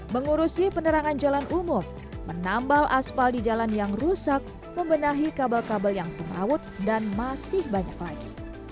mengurusi penerangan jalan umur menambal aspal di jalan yang rusak membenahi kabel kabel yang semerawut dan masih banyak lagi